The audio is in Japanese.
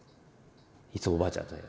いつもおばあちゃんね